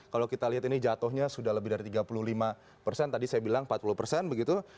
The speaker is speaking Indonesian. kalau kita lihat ini jatuhnya sudah lebih dari tiga puluh lima persen tadi saya bilang empat puluh persen begitu